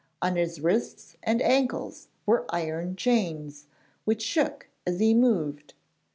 On his wrists and ankles were iron chains, which shook as he moved.